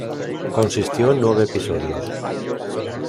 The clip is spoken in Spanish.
Consistió en nueve episodios.